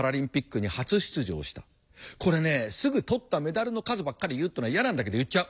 これねすぐ取ったメダルの数ばっかり言うっていうのは嫌なんだけど言っちゃう。